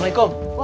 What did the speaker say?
pake dulu ya